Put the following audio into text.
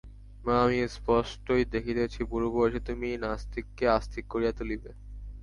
মা, আমি স্পষ্টই দেখিতেছি বুড়ো বয়সে তুমি এই নাস্তিককে আস্তিক করিয়া তুলিবে।